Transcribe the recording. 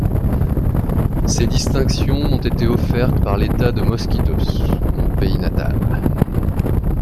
Ces distinctions m’ont été offertes par l’État de Mosquitos, mon pays natal…